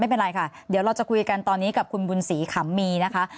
ไม่เป็นไรค่ะเดี๋ยวเราจะคุยกันตอนนี้กับคุณบุญศรีขำมีนะคะ